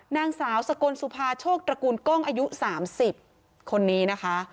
นางสาวสกลสุภาโชคตระกูลกล้องอายุ๓๐คนนี้นะคะ